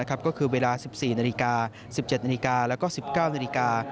ก็คือเวลา๑๔นาฬิกา๑๗นาฬิกาแล้วก็๑๙นาฬิกา